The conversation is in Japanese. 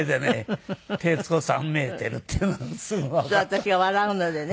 私が笑うのでね。